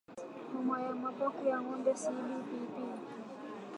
Homa ya Mapafu ya Ng'ombe CBPP